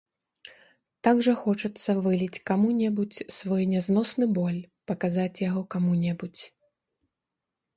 Так жа хочацца выліць каму-небудзь свой нязносны боль, паказаць яго каму-небудзь!